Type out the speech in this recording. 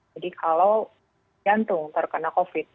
jadi kalau jantung terkena covid sembilan belas